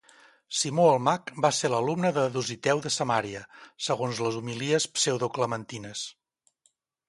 Simó el Mag va ser l'alumne de Dositeu de Samaria, segons les Homilies Pseudoclementines.